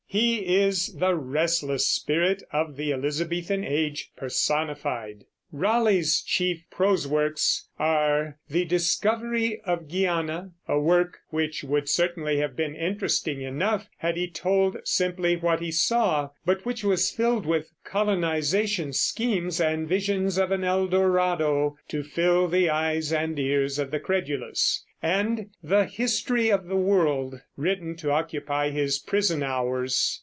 He is the restless spirit of the Elizabethan Age personified. Raleigh's chief prose works are the Discoverie of Guiana, a work which would certainly have been interesting enough had he told simply what he saw, but which was filled with colonization schemes and visions of an El Dorado to fill the eyes and ears of the credulous; and the History of the World, written to occupy his prison hours.